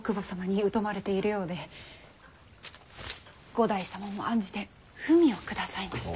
五代様も案じて文を下さいました。